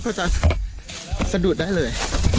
เขาจะสะดุดได้เลย